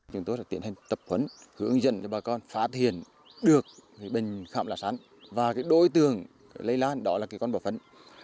chúng tôi sẽ tiến hành tập huấn hướng dẫn cho bà con phá thiền được bệnh khảm lá sắn và đối tường lây lan đó là con bọ phấn